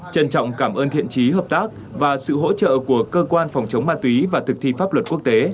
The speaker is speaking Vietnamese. trân trọng cảm ơn thiện trí hợp tác và sự hỗ trợ của cơ quan phòng chống ma túy và thực thi pháp luật quốc tế